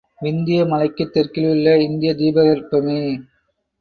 விந்திய மலைக்குத் தெற்கிலுள்ள இந்தியத் தீபகற் பமே